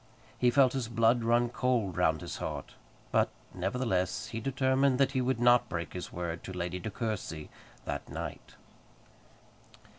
He felt his blood run cold round his heart; but, nevertheless, he determined that he would not break his word to Lady De Courcy that night.